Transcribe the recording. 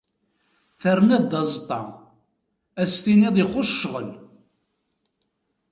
Terniḍ-d azeṭṭa, ad as-tiniḍ ixuṣ ccɣel!